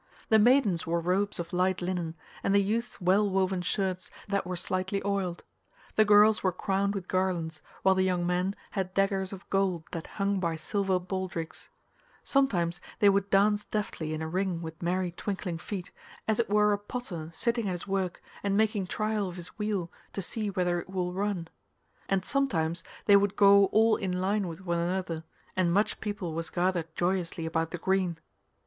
The maidens wore robes of light linen, and the youths well woven shirts that were slightly oiled. The girls were crowned with garlands, while the young men had daggers of gold that hung by silver baldrics; sometimes they would dance deftly in a ring with merry twinkling feet, as it were a potter sitting at his work and making trial of his wheel to see whether it will run, and sometimes they would go all in line with one another, and much people was gathered joyously about the green.